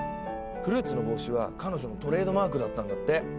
フルーツの帽子は彼女のトレードマークだったんだって。